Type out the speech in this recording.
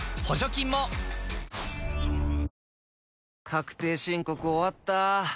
確定申告終わった。